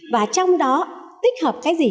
và trong đó tích hợp cái gì